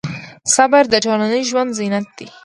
صبر د ټولنیز ژوند زینت دی.